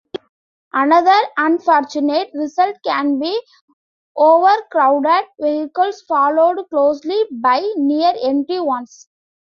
Another unfortunate result can be overcrowded vehicles followed closely by near-empty ones.